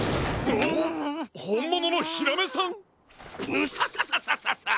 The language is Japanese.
ムササササササ！